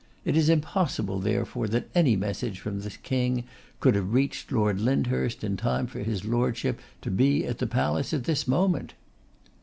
It is impossible, therefore, that any message from the King could have reached Lord Lyndhurst in time for his Lordship to be at the palace at this moment.